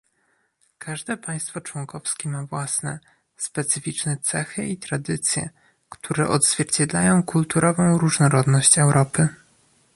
Każde państwo członkowskie ma własne, specyficzne cechy i tradycje, które odzwierciedlają kulturową różnorodność Europy